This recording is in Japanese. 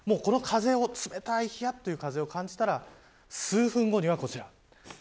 冷たいひやっという風を感じたら数分後にはこちら。